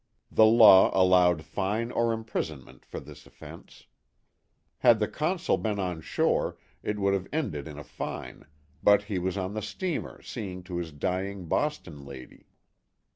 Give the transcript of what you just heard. The law allowed fine or imprisonment for this offense. Had the Consul been on shore it would have ended in a fine ; but he was on the steamer seeing to the dying Boston lady.